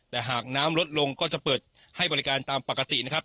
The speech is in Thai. แต่หากน้ำลดลงก็จะเปิดให้บริการตามปกตินะครับ